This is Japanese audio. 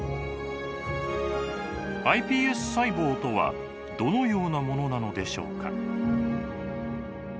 ｉＰＳ細胞とはどのようなものなのでしょうか？